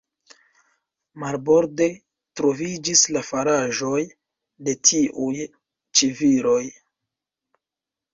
Marborde, troviĝis la faraĵoj de tiuj-ĉi viroj.